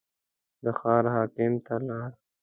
د ښار حاکم ته لاړ.